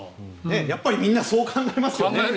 やっぱりみんなそう考えますよね。